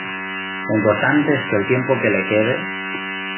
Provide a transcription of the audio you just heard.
lo importante es que el tiempo que le quede